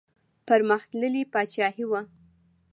پرمختللې پاچاهي وه.